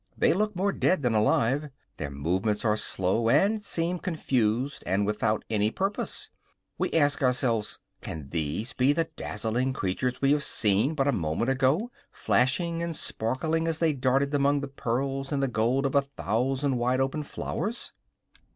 They look more dead than alive; their movements are slow, and seem confused and without any purpose. We ask ourselves, can these be the dazzling creatures we had seen, but a moment ago, flashing and sparkling as they darted among the pearls and the gold of a thousand wide open flowers?